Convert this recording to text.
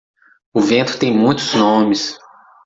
O vento tem muitos nomes.